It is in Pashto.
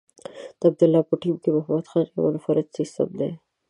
د عبدالله په ټیم کې محمد خان یو منفرد سیسټم دی.